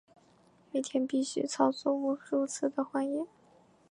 每天必须操作数次的换液。